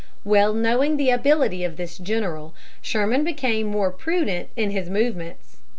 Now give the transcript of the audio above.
Well knowing the ability of this general, Sherman became more prudent in his movements.